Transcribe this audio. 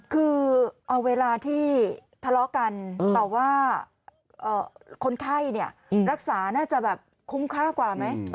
คือเอาเวลาที่ทะเลาะกันต่อว่าคนไข้เนี่ยรักษาน่าจะแบบคุ้มค่ากว่าไหม